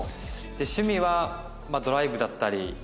趣味はドライブだったりまあ